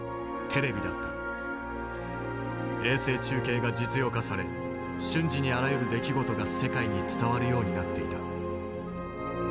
衛星中継が実用化され瞬時にあらゆる出来事が世界に伝わるようになっていた。